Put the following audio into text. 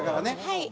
はい。